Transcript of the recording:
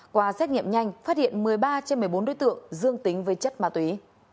qua xét nghiệm nhanh phát hiện một mươi ba trên một mươi bốn đối tượng dương tính với chất ma túy